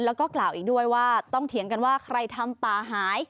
แล้วก็กล่าวอีกด้วยว่าต้องเถียงกันว่าใครทำป่าหาย